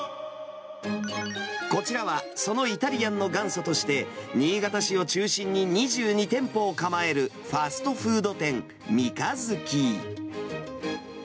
こちらは、そのイタリアンの元祖として、新潟市を中心に２２店舗を構えるファストフード店、みかづき。